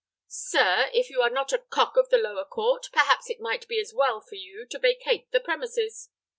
Sir, if you are not a cock of the lower court, perhaps it might be as well for you to vacate the premises."